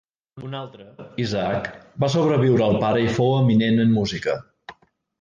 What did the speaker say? Un altre, Isaac, va sobreviure al pare i fou eminent en música.